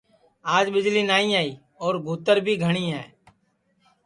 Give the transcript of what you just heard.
آج ٻِجݪی نائی آئی اور گُھوتر بھی گھٹؔی ہے